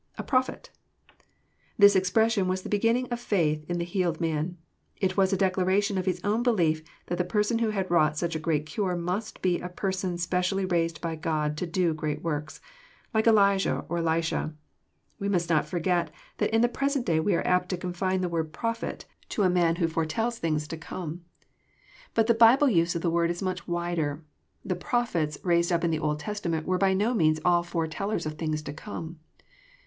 a prophet,] This expression was the beginning of faith in thejiealed man. It was a declaration of hi_s own belief that the Person who had wrought such a great cure must, be a Person specially raised by God to do great works, like Elijah or Elisha. We must notlbrget that in the present day we are apt to confine the word "prophet" to a man who foretells things JOHN, CHAP. IX. 155 to come. But the Bible nse of t he w ord Is much wider. The prophets raised up in the Old Testament were by no means all foretellers of things to come.